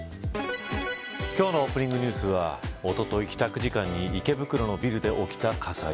今日のオープニングニュースはおととい、帰宅時間に池袋のビルで起きた火災。